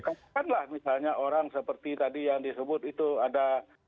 katakanlah misalnya orang seperti tadi yang disebut itu ada